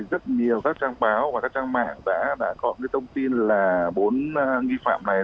rất nhiều các trang báo và các trang mạng đã gọi những thông tin là bốn nghi phạm này